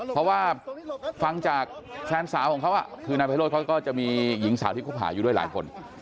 เพราะว่าฟังจากแฟนสาวของเขาคือนายไพโรธเขาก็จะมีหญิงสาวที่คบหาอยู่ด้วยหลายคน